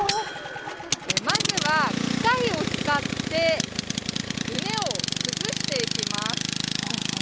まずは、機械を使って畝をうつしていきます。